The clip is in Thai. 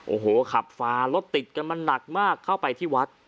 โอ้โหขับฟ้ารถติดกันมันหนักมากเข้าไปที่วัด